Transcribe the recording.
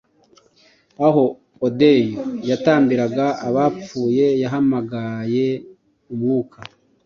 aho Odyeu yatambiraga abapfuyeyahamagaye umwuka